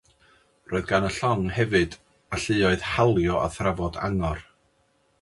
Roedd gan y llong hefyd alluoedd halio a thrafod angor.